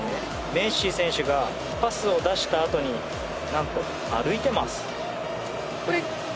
メッシ選手がパスを出したあとに何と、歩いています。